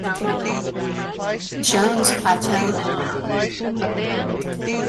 Jones Plateau and Mt.